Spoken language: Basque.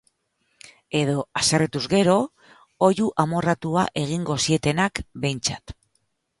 Edo, haserretuz gero, oihu amorratua egingo zietenak, behintzat.